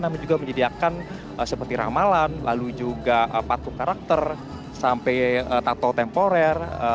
namun juga menyediakan seperti ramalan lalu juga patung karakter sampai tato temporer